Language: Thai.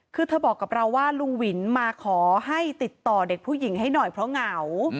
คือเธอบอกกับเราว่าลุงวินมาขอให้ติดต่อเด็กผู้หญิงให้หน่อยเพราะเหงา